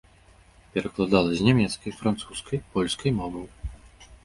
Перакладала з нямецкай, французскай, польскай моваў.